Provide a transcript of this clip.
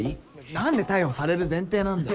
何で逮捕される前提なんだよ。